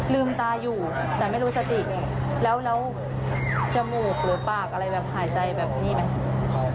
ลืมตาอยู่แต่ไม่รู้สติแล้วจมูกหรือปากอะไรแบบหายใจแบบนี้ไหม